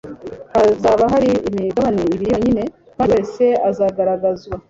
hazaba hari imigabane ibiri yonyine kandi buri wese azagaragazwa